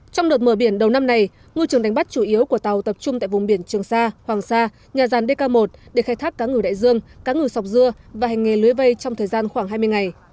trong đợt mở biển đầu năm này ngư trường đánh bắt chủ yếu của tàu tập trung tại vùng biển trường sa hoàng sa nhà ràn dk một để khai thác cá ngừ đại dương cá ngừ sọc dưa và hành nghề lưới vây trong thời gian khoảng hai mươi ngày